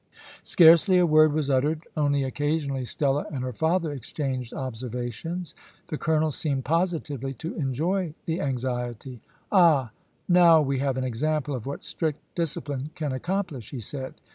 Scarcely a word was uttered only occasionally Stella and her father exchanged observations. The colonel seemed positively to enjoy the anxiety. "Ah! now we have an example of what strict discipline can accomplish," he said.